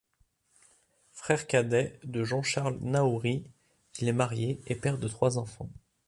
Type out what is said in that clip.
Frère cadet de Jean-Charles Naouri, il est marié et père de trois enfants.